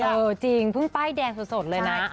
เออจริงเพิ่งป้ายแดงสดเลยนะ